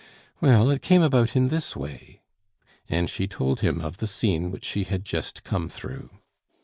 "Well; it came about in this way," and she told him of the scene which she had just come through.